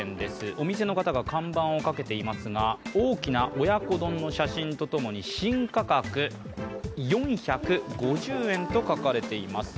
お店の方が看板を掛けていますが大きな親子丼の写真とともに新価格４５０円と書かれています。